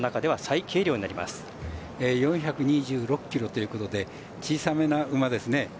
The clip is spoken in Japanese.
４２６ｋｇということで小さめな馬ですね。